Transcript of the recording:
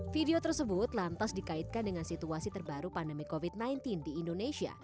video tersebut lantas dikaitkan dengan situasi terbaru pandemi covid sembilan belas di indonesia